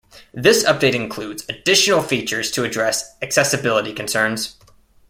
This update includes additional features to address accessibility concerns.